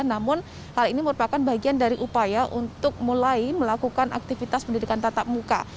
namun hal ini merupakan bagian dari upaya untuk mulai melakukan aktivitas pendidikan tatap muka